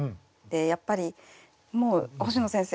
やっぱり星野先生